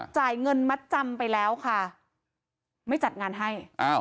จ่ายเงินมัดจำไปแล้วค่ะไม่จัดงานให้อ้าว